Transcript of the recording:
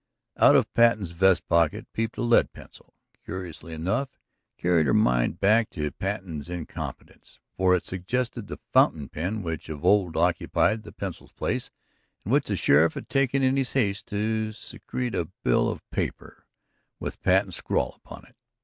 Out of Patten's vest pocket peeped a lead pencil. Curiously enough, it carried her mind back to Patten's incompetence. For it suggested the fountain pen which of old occupied the pencil's place and which the sheriff had taken in his haste to secrete a bit of paper with Patten's scrawl upon it.